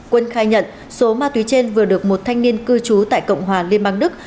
quân khai nhận số ma túy trên vừa được một thanh niên cư trú tại cộng hòa liên bang đức